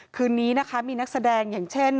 คืนนี้นะคะมีนักแสดงอย่างเช่น